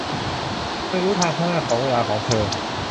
เธอรู้ทางข้างหน้าของเวลาของเธอ